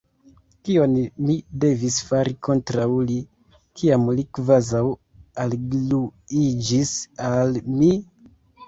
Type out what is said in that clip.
Kion mi devis fari kontraŭ li, kiam li kvazaŭ algluiĝis al mi?